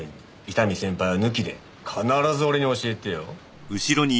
伊丹先輩は抜きで必ず俺に教えてよ。